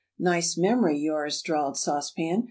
"Nice memory, yours!" drawled Sauce Pan.